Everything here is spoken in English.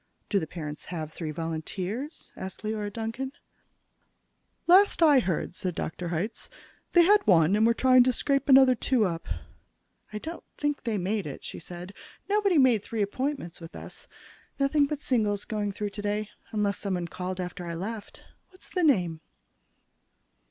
"Do the parents have three volunteers?" said Leora Duncan. "Last I heard," said Dr. Hitz, "they had one, and were trying to scrape another two up." "I don't think they made it," she said. "Nobody made three appointments with us. Nothing but singles going through today, unless somebody called in after I left. What's the name?"